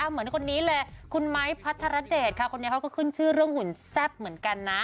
เหมือนคนนี้เลยคุณไม้พัทรเดชค่ะคนนี้เขาก็ขึ้นชื่อเรื่องหุ่นแซ่บเหมือนกันนะ